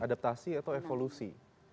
adaptasi atau evolusi